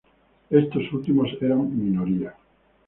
Estos últimos eran minoría.